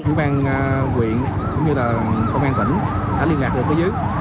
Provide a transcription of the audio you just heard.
những bang huyện cũng như là công an tỉnh đã liên lạc được với dưới